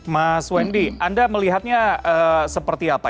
mas wendy anda melihatnya seperti apa